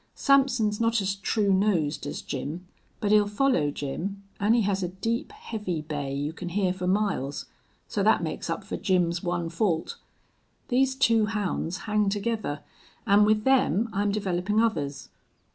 Sampson's not as true nosed as Jim, but he'll follow Jim, an' he has a deep, heavy bay you can hear for miles. So that makes up for Jim's one fault. These two hounds hang together, an' with them I'm developin' others.